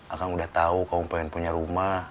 akang udah tau kamu pengen punya rumah